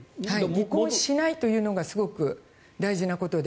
離婚しないというのがすごく大事なことで。